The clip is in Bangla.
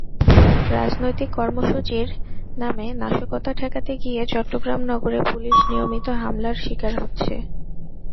রাজনৈতিক কর্মসূচির নামে নাশকতা ঠেকাতে গিয়ে চট্টগ্রাম নগরে পুলিশ নিয়মিত হামলার শিকার হচ্ছে।